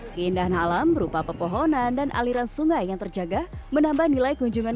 keindahan alam berupa pepohonan dan aliran sungai yang terjaga menambah nilai kunjungan